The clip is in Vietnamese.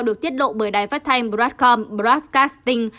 được tiết lộ bởi đài phát thanh broadcom broadcasting